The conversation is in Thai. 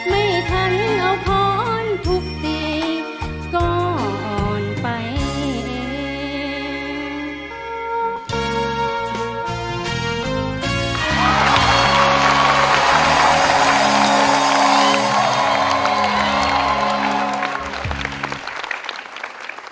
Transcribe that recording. ไม่ทันอาวะพ้อนทุกปีก็อ่อนไปเอง